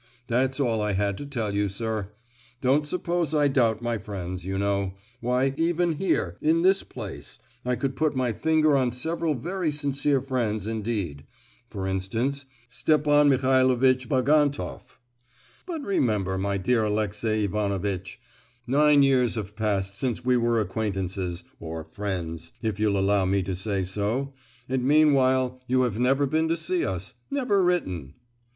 That's all I had to tell you, sir! Don't suppose I doubt my friends, you know; why, even here, in this place, I could put my finger on several very sincere friends indeed (for instance, Stepan Michailovitch Bagantoff); but remember, my dear Aleksey Ivanovitch—nine years have passed since we were acquaintances—or friends, if you'll allow me to say so—and meanwhile you have never been to see us, never written."